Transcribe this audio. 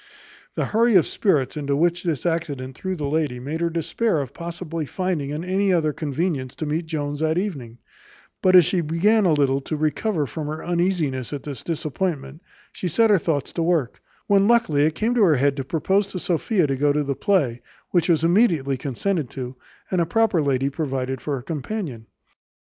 The hurry of spirits into which this accident threw the lady made her despair of possibly finding any other convenience to meet Jones that evening; but as she began a little to recover from her uneasiness at the disappointment, she set her thoughts to work, when luckily it came into her head to propose to Sophia to go to the play, which was immediately consented to, and a proper lady provided for her companion.